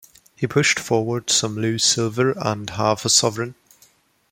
He pushed forward some loose silver and half a sovereign.